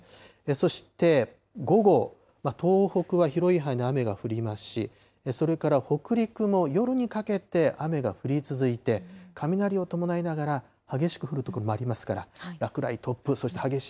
そして午後、東北は広い範囲で雨が降りますし、それから北陸も夜にかけて雨が降り続いて、雷を伴いながら、激しく降る所もありますから、落雷、突風、そして激し